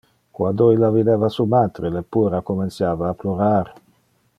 Quando illa videva su matre, le puera comenciava a plorar.